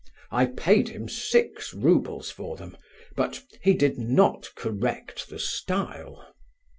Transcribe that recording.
I paid him six roubles for them; but he did not correct the style."